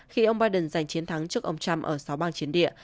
khi ông biden giành chiến thắng trước ông trump ở sáu bang chiến địa